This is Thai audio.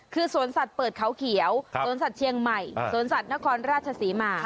คือสวนสัตว์เปิดเขาเขียวสวนสัตว์เชียงใหม่สวนสัตว์นครราชศรีมา